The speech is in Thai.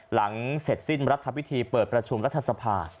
หลังเสร็จสิ้นรัฐพิธีเปิดประชุมรัฐสภา